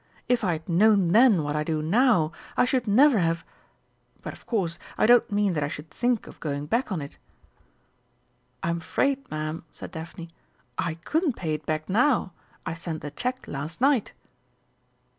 If I had known then what I do now, I should never have but, of course, I don't mean that I should think of going back on it." "I'm afraid, Ma'am," said Daphne, "I couldn't pay it back now; I sent the cheque last night."